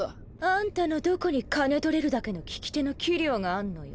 あんたのどこに金取れるだけの聞き手の器量があんのよ。